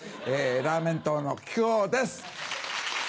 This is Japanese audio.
ラーメン党の木久扇です！